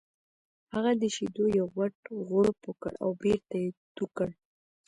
هغه د شیدو یو غټ غوړپ وکړ او بېرته یې تو کړ